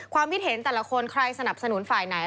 คิดเห็นแต่ละคนใครสนับสนุนฝ่ายไหน